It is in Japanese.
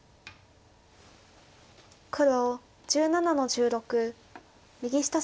黒１７の十六右下隅小目。